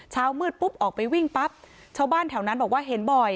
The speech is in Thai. เช้ามืดปุ๊บออกไปวิ่งปั๊บชาวบ้านแถวนั้นบอกว่าเห็นบ่อย